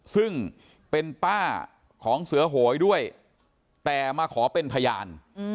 ซึ่งเป็นป้าของเสือโหยด้วยแต่มาขอเป็นพยาน